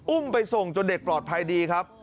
อุ้มไปส่งจนเด็กปลอดภัยดีครับ